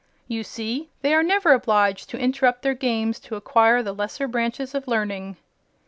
You see they are never obliged to interrupt their games to acquire the lesser branches of learning."